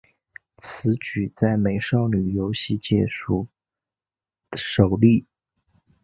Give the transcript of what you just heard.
此举在美少女游戏界属首例。